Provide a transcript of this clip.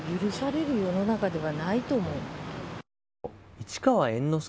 市川猿之助